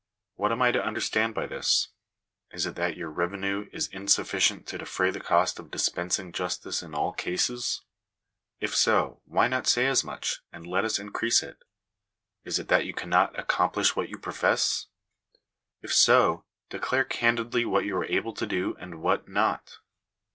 What am I to understand by this ? Is it that your revenue is insufficient to defray the cost of dispensing justice in all cases ? If so, why not say as much, and let us increase it ? Is it that you cannot accomplish what you profess ? If so, declare candidly what you are able to do, and what not.